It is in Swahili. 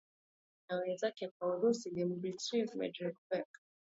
na wenzake wa urusi demritv medrevek